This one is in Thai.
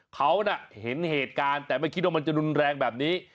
เขาน่ะเห็นเหตุการณ์แต่ไม่คิดว่ามันจะรุนแรงแบบนี้